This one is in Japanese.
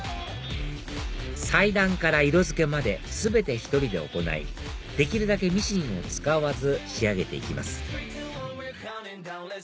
裁断から色づけまで全て１人で行いできるだけミシンを使わず仕上げて行きます